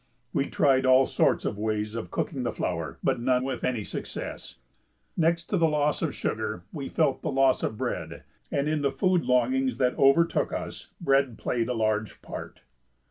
We tried all sorts of ways of cooking the flour, but none with any success. Next to the loss of sugar we felt the loss of bread, and in the food longings that overtook us bread played a large part.